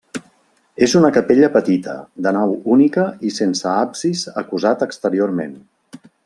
És una capella petita, de nau única i sense absis acusat exteriorment.